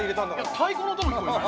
太鼓の音も聴こえない？